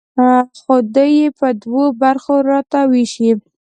خو دوی یې په دوو برخو راته ویشي.